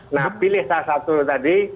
nah pilih salah satu tadi